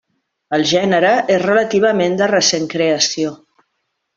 El gènere és relativament de recent creació.